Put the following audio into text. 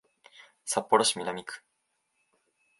札幌市南区